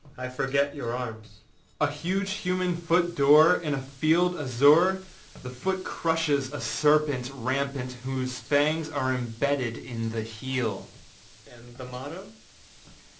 â âI forget your arms.â âA huge human foot dâor, in a field azure; the foot crushes a serpent rampant whose fangs are imbedded in the heel.â âAnd the motto?